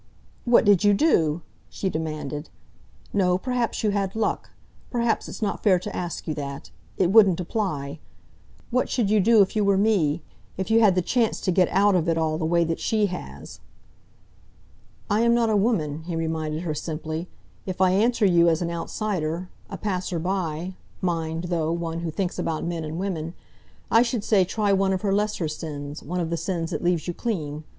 "What did you do?" she demanded. "No, perhaps you had luck. Perhaps it's not fair to ask you that. It wouldn't apply. What should you do if you were me, if you had the chance to get out of it all the way that she has?" "I am not a woman," he reminded her simply. "If I answer you as an outsider, a passer by mind, though, one who thinks about men and women I should say try one of her lesser sins, one of the sins that leaves you clean.